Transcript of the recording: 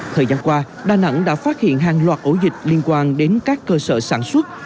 thời gian qua đà nẵng đã phát hiện hàng loạt ổ dịch liên quan đến các cơ sở sản xuất